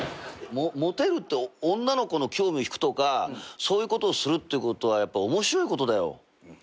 モテるって女の子の興味引くとかそういうことをするってことは面白いことだよ。